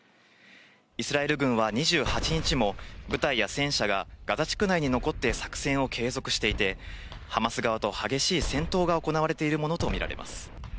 イスラエル軍は２８日も、部隊や戦車がガザ地区内に残って作戦を継続していて、ハマス側と激しい戦闘が行われているものとみられます。